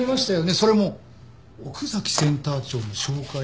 それも奥崎センター長の紹介で。